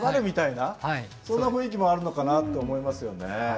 そんな雰囲気もあるのかなと思いますよね。